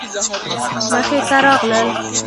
مخې ته راغلل.